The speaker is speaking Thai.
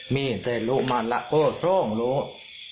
มีแต่ลูกมะละกอทรงลูก